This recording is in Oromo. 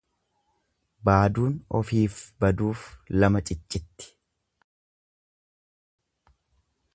Baaduun ofiif baduuf lama ciccitti.